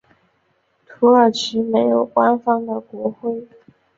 土耳其没有官方的国徽。